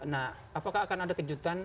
nah apakah akan ada kejutan